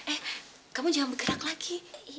eh kamu jangan bergerak lagi